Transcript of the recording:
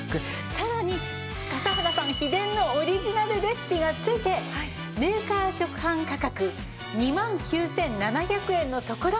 さらに笠原さん秘伝のオリジナルレシピが付いてメーカー直販価格２万９７００円のところ